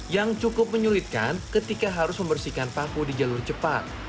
yang cukup menyulitkan ketika harus membersihkan paku di jalur cepat